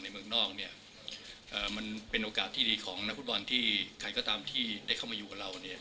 เมืองนอกเนี่ยมันเป็นโอกาสที่ดีของนักฟุตบอลที่ใครก็ตามที่ได้เข้ามาอยู่กับเราเนี่ย